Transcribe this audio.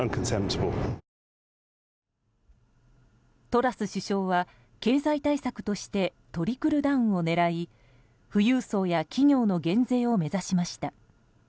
トラス首相は経済対策としてトリクルダウンを狙い富裕層や企業の減税を目指しました。